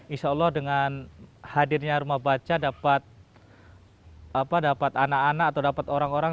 insya allah dengan hadirnya rumah baca dapat anak anak atau dapat orang orang